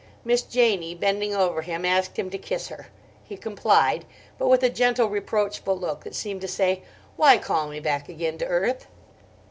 Miss Janie, bending over him, asked him to kiss her. He complied, but with a gentle, reproachful look that seemed to say, "Why call me back again to earth?"